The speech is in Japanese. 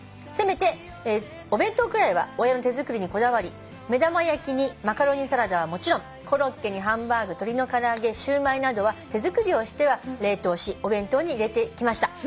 「せめてお弁当くらいは親の手作りにこだわり目玉焼きにマカロニサラダはもちろんコロッケにハンバーグ鶏の唐揚げシューマイなどは手作りをしては冷凍しお弁当に入れてきました」